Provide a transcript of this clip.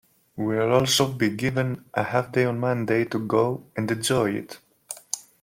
We're also being given a half day on Monday to go and enjoy it.